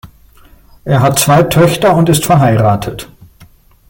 Er hat zwei Töchter und ist verheiratet.